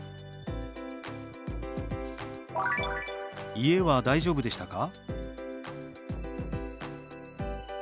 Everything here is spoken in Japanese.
「家は大丈夫でしたか？」。